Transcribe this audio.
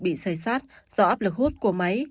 bị xây sát do áp lực hút của máy